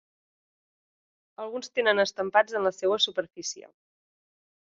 Alguns tenen estampats en la seua superfície.